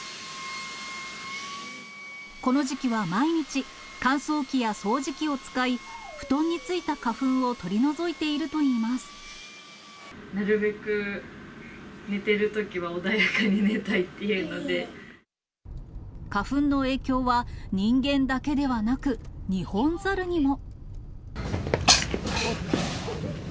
この時期は毎日、乾燥機や掃除機を使い、布団についた花粉を取り除いているといいなるべく寝てるときは、花粉の影響は人間だけではなく、ニホンザルにも。